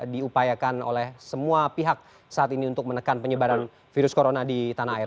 diupayakan oleh semua pihak saat ini untuk menekan penyebaran virus corona di tanah air